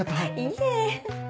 いえ。